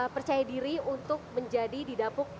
percaya diri untuk menjadi didapuk